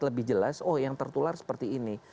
lebih jelas oh yang tertular seperti ini